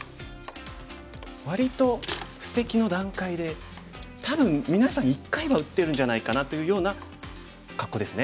割と布石の段階で多分みなさん一回は打ってるんじゃないかなというような格好ですね。